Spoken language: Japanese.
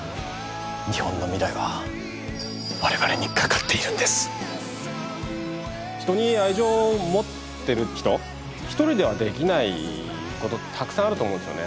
日本の未来は我々にかかっているんです一人ではできないことたくさんあると思うんですよね